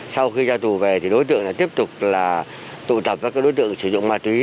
sau khi ra tù về thì đối tượng tiếp tục là tụ tập các đối tượng sử dụng ma túy